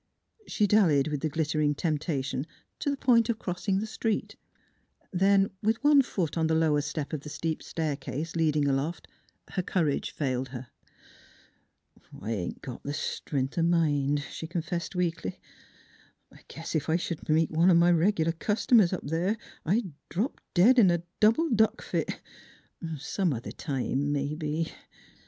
She dallied with the glittering temptation to the point of crossing the street. Then, with one foot on the lower step of the steep staircase leading aloft, her courage failed her. " I ain't got th' stren'th o' mind," she confessed weakly. " I guess ef I sh'd meet one o' m' reg'lar cust'mers up there I'd drop dead in a double duck fit. Some other time, mebbe."